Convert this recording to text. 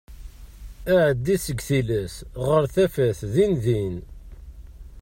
Aɛeddi seg tillas ɣer tafat din din.